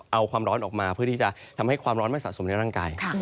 เอาความร้อนออกมาเพื่อที่จะทำให้ความร้อนไม่สะสมในร่างกาย